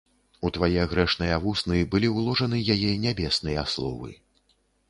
У твае грэшныя вусны былі ўложаны яе нябесныя словы.